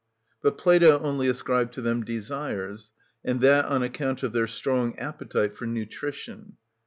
But Plato only ascribed to them desires, and that on account of their strong appetite for nutrition (_cf.